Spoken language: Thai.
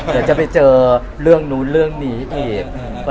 เดี๋ยวจะไปเจอเรื่องนู้นเรื่องนี้อีก